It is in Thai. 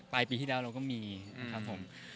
ปลายปีที่เดียวเราก็มีครับผม